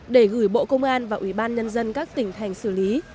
để gửi bộ công an và ủy ban nhân dân các tỉnh thành xử lý